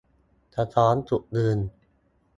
สะท้อนจุดยืน